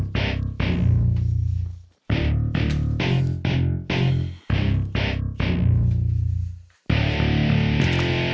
jadi semoga dulu rotary gini